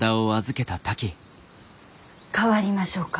代わりましょうか？